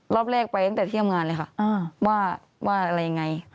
รอบแรกไปตั้งแต่เที่ยงงานเลยค่ะว่าอะไรยังไง